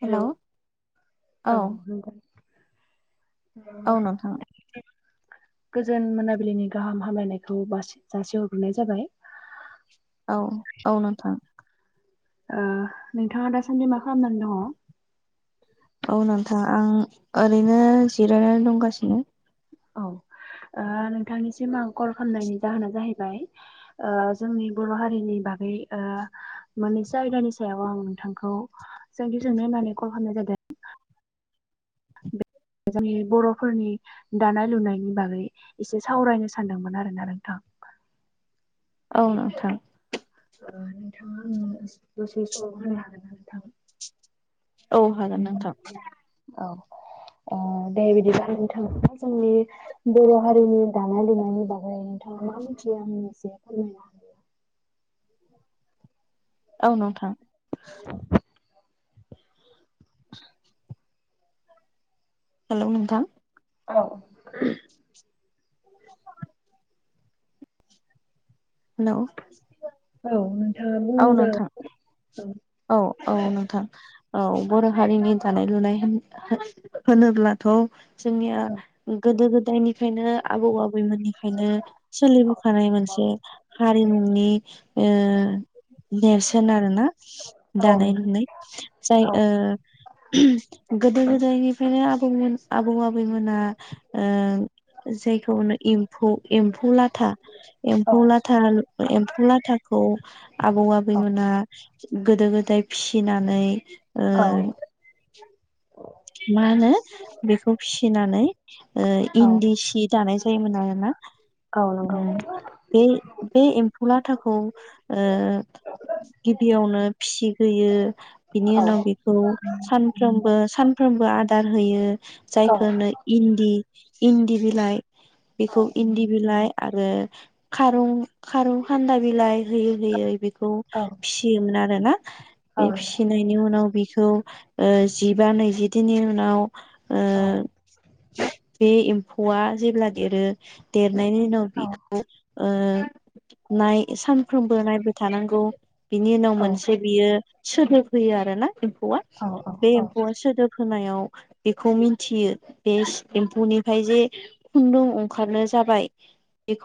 हेल' hello औ औ नंगौ औ ओ नोंथां गोजोन मोनाबिलिनि गाहाम हामलायनायखौ बासि जासिहरग्रोनाय जाबाय [inaudible] औ औ नोंथां ओ नोंथाङा दासान्दि मा खालामनानै दङ' औ नोंथां आं ओरैनो जिरायनानै दंगासिनो औ ओ नोंथांनिसिम आं कल खालामनायनि जाहोना जाहैबाय ओ जोंनि बर' हारिनि बागै ओ मोननैसो आयदानि सायाव आं नोंथांखौ सोंथि सोंनो नानै कल खालामनाय जादों जोंनि बर'फोरनि दानाय लुनायनि बागै एसे सावरायनो सानदोंमोन आरोना नोंथां [inaudible] औ नोंथां नोंथाङा आंनो दसे सम होनो हागोन ना नोंथां? औ हागोन नोंथां औ अ दे बिदिब्लाा नोंथां जोंनि बर' हारिनि दानाय लुनायनि बागै नोंथां [unintelligible] औ नोंथां हेल' नोंथां औ [inaudible] हेल' औ नोंथाङा बुंदो औ औ नोंथां औ बर' हारिनि दानाय लुनाय होन-होन-होनोब्लाथ' जोंनिया गोदो गोदायनि खायनो आबौ आबैमोननिखायनो सोलिबोखानाय मोनसे हारिमु नि ओ नेरसोन आरो ना दानाय लुनाय जाय औ ओ गोदो गोदायनिफ्रायनो आबौमोन आबौ आबैमोना ओ जायखौनो इउ खौ एम्फौ लाथा औ एम्फौ लाथा एम्फौ लाथाखौ आबौ आबैमोना गोदो गोदाय फिसिनानै ओ औ मा होनो बेखौ फिसिनानै ओ औ इन्दि सि दानाय जायोमोन आरोना [unintelligible] औ नंगौ बे बे एम्फौ लाथाखौ ओ गिबियावनो फिसिग्रोयो बिनि औ उनाव बेखौ सानफ्रोमबो सानफ्रोमबो आदार होयो औ जायखौनो इन्दि इन्दि बिलाइ औ बेखौ इन्दि बिलाइ आरो खारं खारं खान्दा बिलाइ होयै होयै बि खौ औ फिसियोमोन आरोना औ बे फिसिनायनि उनाव बेख खौ ओ जिबा नैजिथिनि उनाव ओ औ बे एम्फौआ जेब्ला देरो देरनायनि उनाव बेखौ ओ नाय सानफ्रोमबो नायबाय थानांगौ बिनि उनाव औ औ मोनसे बियो सोदोब होयो आरो ना एम्फौआ औ बे एम्फौआ सोदोब होनायाव बेखौ मिथियो बे एम्फौनिफ्राय जे खुन्दुं ओंखारनो जाबाय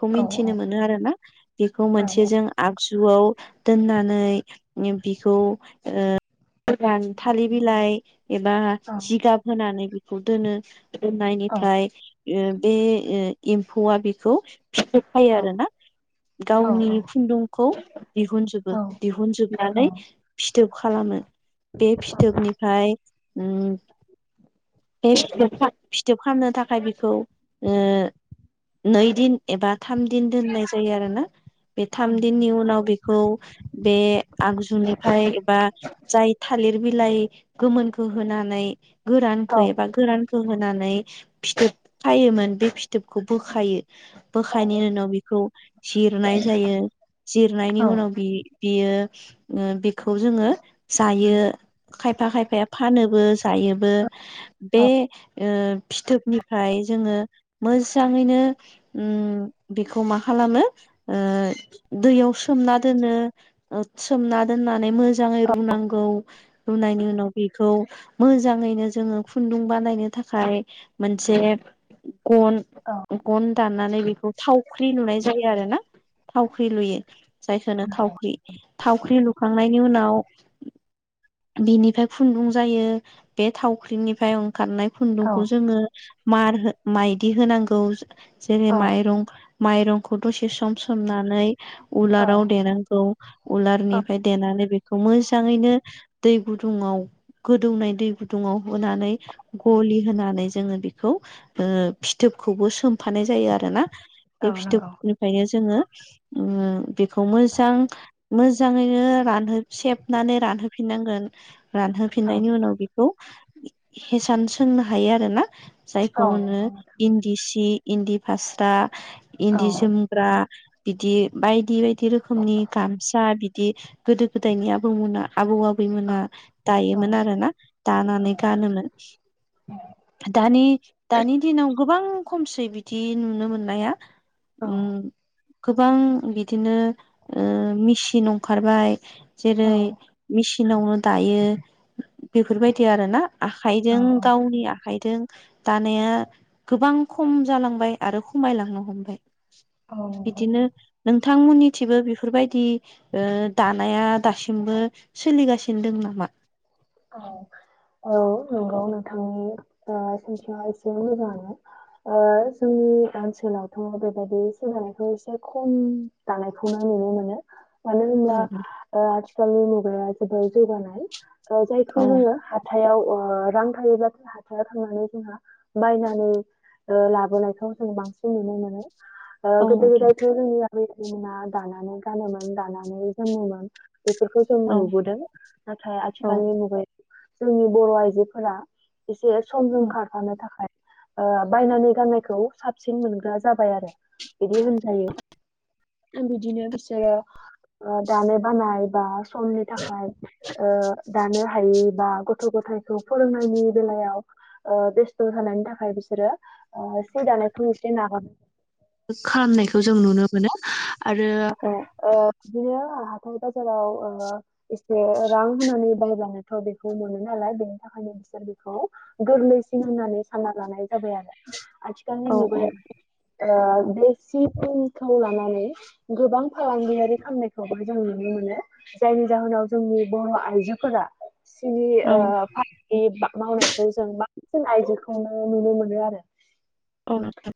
औ औ मिथिनो मोनो आरोना बेखौ मोनसे जों आगजु जुआव दोननानै बिखौ ओ गोरान थालिर बिलाइ एबा जिगाब होनानै बेखौ दोनो दोननायनिफ्राय ओ बे एम्फौआ बेखौ फिथोब खायो औ आरोना गावनि खुन्दुंखौ दिहुनजोबो दिहुनजोबनानै फिथोब खालामो बे फिथोबनिफ्राय ओ बे फिथोब फिथोब खालामनो थाखाय बेखौ ओ नै दिन एबा थाम दिन दोननाय जायो आरो ना बे थाम दिननि उनाव बेखौ बेखौ बे आगजुनिफ्राय एबा जाय थालिर बिलाइ गोमोनखौ बुहोनानै गोरानखौ एबा गोरानखौ होनानै फिथोब खायोमोन बे फिथोबखौ बोखायो बोखायनायनि उनाव बिखौ जिरनाय जायो जिरनायनि उनाव बि बियो बेखौ जोङो जायो खायफा खायफाया फानोबो जायोबो बे ओ फिथोबनिफ्राय जोङो मोजाङैनो ओ बेखौ मा खालामो ओ दैयाव सोमना दोनो सोमना दोननानै मोजाङै रुनां गौ रुनायनि उनाव बेखौ मोजाङैनो जोङो खुन्दुं बानायनो थाखाय मोनसे गन गन दाननानै बेखौ थावख्रि लुनाय जायो आरो ना थावख्रि लुयो जायखौनो थावख्रि थावख्रि लुखांनायनि उनाव बिनिफ्राय खुन्दुं जायो बे थावख्रिनिफ्राय ओंखारनाय औ खुन्दुंखौ जोङो मार माइदि होनांगौ जेरै औ औ माइरं माइरंखौ दसे सम समोमनानै औ उलाराव देनांगौ औ उलारनिफ्राय देनानै बे खौ मोजाङैनो दै गुदुाव गोदौनाय दै गुदुङाव होनानै गलि होनानै जोङो बेखौ ओ फिथोबखौबो सोमफानाय जायो आरोना बे औ नंगौ फिथोबनिफ्रायनो जोङो ओ बेखौ मोजां मोजाङैनो रानहो सेबनानै रानहोफिननांगोन औ रानहोफिननायनि उनाव बेखौ हेसान सोंनो हायो आरोना जायखौ औ होनो नंगौ नोंथां इन्दि सि इन्दि फास्रा औ इन्दि जोमग्रा बिदि बायदि बायदि बिदि रोखोमनि गामसा बिदि गोदो गोदायनियाबो दंना आबौ औ आबैमोना औ दायोमोन आरो ना औ दानानै गानोमोन दानि दानि दिनाव गोबां खमसै बिदि नुनो मोननाया औ ओ गोबां बिदिनो ओ मेसिन ओंखारबाय औ जेरै मिसिन नावनो दायो बेफोरबायदि आरो ना आखाइजों औ गावनि आखायदों दानाया गोबां खम जालांबाय आरो खमायलांनो हमबाय औ नंगौ नोंथांमोननि थिंबो बेफोरबायदि दानाया दासिमबो सोलिगासिनो दं नामा औ औ नंगौ नोंथांनि ओ सोंनथिया एसे मोजाङानो जोंनि जोंनि ओनसोलावथ' बेबायदि सोलनायखौ एसे खम दानायखौनो नुनो मोनो मानो होनब्ला ओ आथिखालनि मुगाया जोबोद जौगानाय। ओ औ जायखौ जोङो हाथायाव ओ रां थायोब्ला हाथायाव थांनानै जोंहा बायनानै ओ लाबोनायखौ जों बांसिन नुनो मोनो। ओ औ गोदो नोंथां गोदायथ' जोंनि आबै आबौमोना दानानै गानोमोन दानानै जोमोमोन बेफोरखौ जों औ नुबोदों। नाथाय आथि औ खालनि मुगायाव जोंनि बर' आइजोफोरा एसे समजों औ खारफानो थाखाय ओ बायनानै गाननायखौ साबसिन मोनग्रा जाबाय आरो बिदि होनजायो। बिदिनो बिसोरो ओ दानो बानाय बा समनि थाखाय ओ नो हायि बा गथ' गथायखौ फोरोंनायनि बेलायाव ओ बेस्थ' जानायनि थाखाय बिसोरो ओ सि दानायखौ एसे नागार खालामनायखौ जों नुनो मोनो। आरो औ ओ बिदिनो हाथाय बाजाराव ओ एसे रां होनानै बायब्लानोथ' बेखौ मोनो नालाय बेनि थाखायनो बिसोर बेखौ गोरलैसिन होननानै सानना लानाय जाबाय आरो आथिखालनि औ मुगायाव ओ सि [unintelligible] खौ लानानै गोबां फालांगियारि खामनायखौबो जों नुनो मो नो। जायनि जाहोनाव जोंनि बर' आइजो फोरा सि औ ओ [unintelligible] मावनायखौ जों बांसिन आइजो खौनो नुनो मोनो आरो औ नोंथां।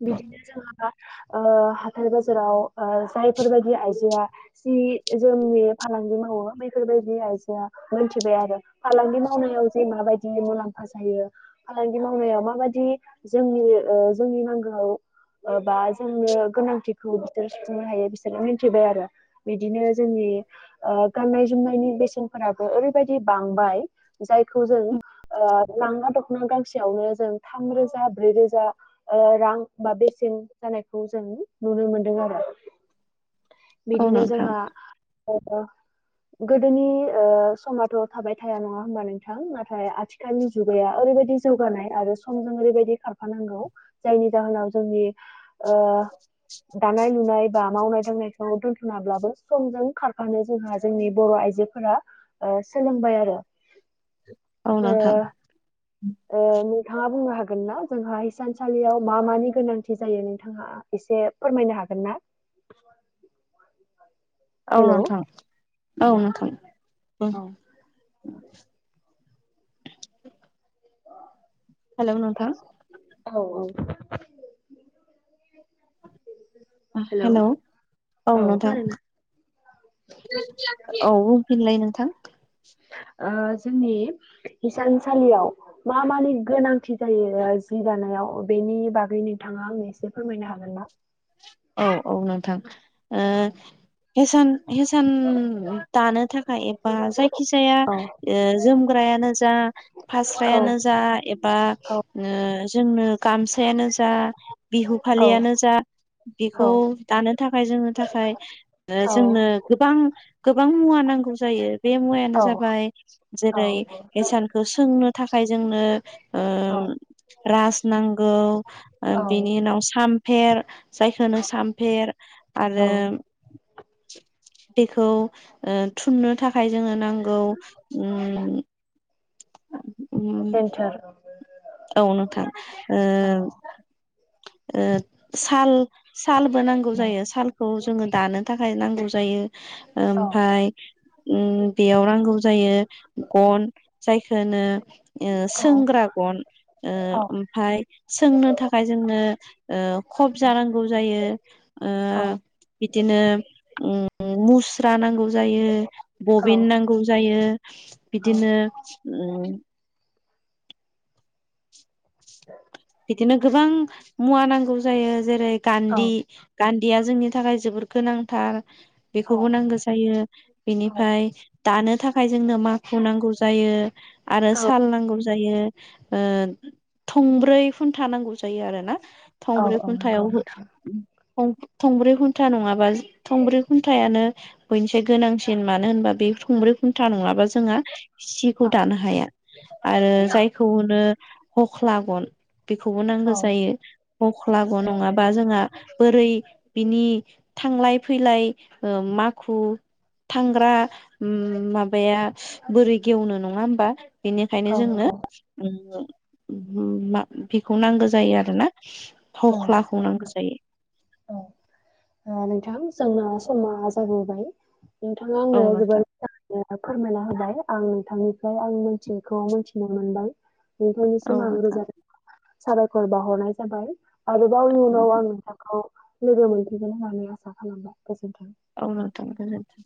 हा। ओ हाथाय बाजाराव ओ जायफोर बायदि आइजोआ सि जोमनि फालांगि माव मावो बैफोरबादि आइजोआ मोनथिबाय आरो फालांगि मावनायाव जे माबायदि मुलाम्फा जायो फालांगि मावनायाव माबायदि जोंनि ओ जोंनि नांगोआव ओ बा जोङो गोनांथिखौ बिसोर सुफुंनो हायो बिसोरो मिथिबाय आरो बिदिनो जोंनि बि ओ गाननाय जोमनायनि बेसेनफोरा ओरैबायदि बांबाय जायखौ जों ओ लांगा दख'ना गांसेयावनो जों थामरोजा ब्रै रोजा ओ रां बा बेसेन होनायखौ जों नुनो मोनदों आरो औ बिदिनो नोंथां जोंहा ओ गोदोनि ओ समाथ' थाबाय थाया नङा होनबा नोंथां। नाथाय आ थिखालनि जुगाया ओरैबायदि जौगानाय आरो समजों ओरैबायदि खार फानांगौ जायनि जाहोनाव जोंनि ओ दानाय लुनाय बा मावनाय दांनायखौ दोनथ'नाब्लाबो समजों खारफानो जोंहा जोंनि बर' आ आइजोफोरा ओ सोलोंबाय आरो औ ओ नोंथां ओ [unintelligible] नोंथाङा बुंनो हागोन ना जोंहा हिसानसालियाव मा मानि गोनांथि जायो नोंथाङा एसे फोरमायनो हा गोन ना। औ हेलौ नोंथां औ अ नोंथां। औ। [inaudible] हेलौ नोंथां। औ औ। हेलौ औ नोंथां। औ बुंफिनलाय नोंथां। ओ जोंनि हिसानसालियाव मा मानि गोनांथि जायो [unintelligible] हि दिनायाव बेनि बागै नोंथाङा आंनो एसे फोरमायनो हागोन ना। औ औ नोंथां ओ औ हेसान हेसान दानो थाखाय एबा जायखिजाया औ ओ जोमग्रायानो जा औ फास्रायानो जा एबा ओ जोंनो गामसायानो जा बिहु औ फालियानो जा औ बेखौ दानो थाखाय जोमनो थाखाय ओ औ जोंनो गोबां गोबां मुवा नांगौ जायो। बे मुवायानो जाबाय औ जेरै हेसानखौ सोंनो थाखाय जोंनो ओ औ राज नांगौ ओ औ बिनि उनाव साम फेर जायखो होनो सामफेर औ आरो बेखौ ओ थुननो थाखाय जोंनो नांगौ उम उम जेनथोर औ नोंथां ओ ओ साल सालबो नांगौ औ जायो सालखौ जोङो दानो थाखाय नांगौ जायो औ ओमफ्राय उम बेयाव नांगौ जायो गन जायखो होनो ओ औ सोंग्रा गन ओ औ ओमफाय सोंनो थाखाय जोंनो ओ खबजा नांगौ जायो ओ बिदिनो उम मुस्रा नांगौ जायो औ बबिन नांगौ जायो। बिदिनो उम बिदिनो गोबां मुवा नांगौ जायो जेरै औ गान्धी गा दिया जोंनि थाखाय जोबोद गोनांथार बेखौबो नांगो जायो बिनिफाय दानो थाखाय जोंनो माखु नांगौ जायो आरो साल नांगौ जायो। ओ थंब्रै खुन्था नांगौ जायो आरो ना। औ थंब्रै औ नंगौ खुन्थायाव [unintelligible] नोंथां थं थंब्रै खुन्था नङाबा थंब्रै खुन्थायानो बयनिसाय गोनांसिन मानो होनबा बे थंब्रै खुन्था नङबा जोंङा सिखौ औ दानो हाया आरो जायखौ होनो हख्ला गन। बेखौबो नांगो औ जायो हख्ला औ गन नङाबा जोंहा बोरै बिनि थांलाय फैलाय ओ माखु थांग्रा उम माबाया बोरै गेवनो नङा होमबा? बेनिखायनो औ जोंनो नंगौ उम उम मा बेखौ नांगो जायो आरोना औ फावख्लाखौ नांगो जायो। औ ओ नोंथां जोंना समा जाबोबाय। नोंथाङा औ आंनो नोंथां [unintelligible] ओ फोरमायना होबाय आं नोंथांनिफ्राय आं मोनथियैखौ मोनथिनो मोनबाय। औ नोंथांनिसिम आं नोंथां रोजा साबायखर बाहरनाय जाबाय आरोबाव इउनाव आं नोंथांखौ लोगो मोनफिगोन होननानै आसा खालामबाय गोजोनथों। औ नोंथां गोजोनथों।